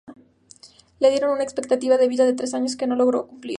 Le dieron una expectativa de vida de tres años, que no llegó a cumplir.